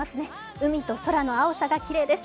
海と空の青さがきれいです。